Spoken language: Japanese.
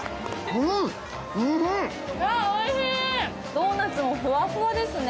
ドーナツもふわふわですね。